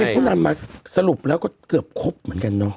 เขานำมาสรุปแล้วก็เกือบครบเหมือนกันเนอะ